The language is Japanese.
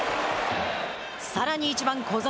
さらに１番、小園。